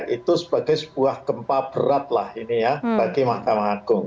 itu sebagai sebuah gempa berat lah ini ya bagi mahkamah agung